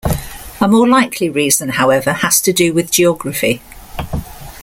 A more likely reason, however, has to do with geography.